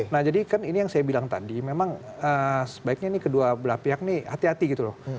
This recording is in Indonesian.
nah jadi kan ini yang saya bilang tadi memang sebaiknya ini kedua belah pihak nih hati hati gitu loh